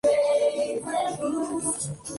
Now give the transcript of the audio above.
Fue un político alemán y nacionalsocialista.